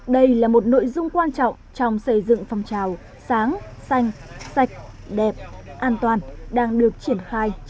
đây là một nội dung quan trọng trong xây dựng phong trào sáng xanh sạch đẹp an toàn đang được triển khai trên địa bàn xã